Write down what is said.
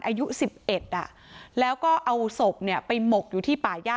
อายุสิบเอ็ดอ่ะแล้วก็เอาศพนี่ไปหมกอยู่ที่ป่ายย่า